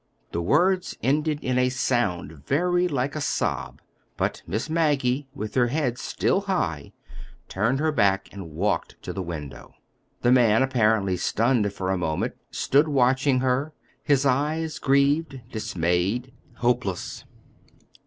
The words ended in a sound very like a sob; but Miss Maggie, with her head still high, turned her back and walked to the window. The man, apparently stunned for a moment, stood watching her, his eyes grieved, dismayed, hopeless.